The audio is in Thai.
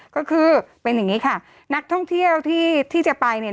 ก็คือเป็นอย่างนี้ค่ะนักท่องเที่ยวที่จะไป